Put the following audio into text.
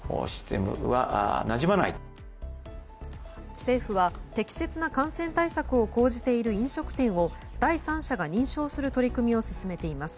政府は適切な感染対策を講じている飲食店を第三者が認証する取り組みを進めています。